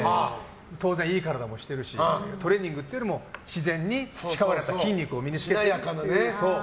当然いい体もしてるしトレーニングっていうよりも自然に培われた筋肉を身に付けてっていう。